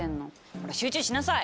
ほら集中しなさい！